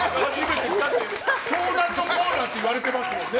相談のコーナーって言われてますもんね。